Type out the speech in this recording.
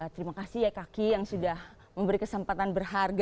terima kasih yekaki yang sudah memberi kesempatan berharga